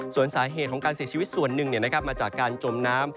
ส่วนสาเหตุของการเสียชีวิตส่วนหนึ่งมาจากการจมน้ำ